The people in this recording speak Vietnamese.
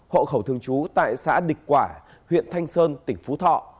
hộ khẩu thường trú tại xã địch quả huyện thanh sơn tỉnh phú thọ